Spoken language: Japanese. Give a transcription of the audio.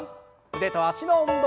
腕と脚の運動。